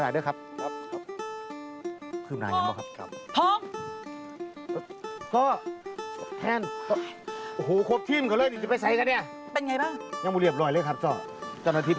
ฟิกบ้านกับแม่แต่พี่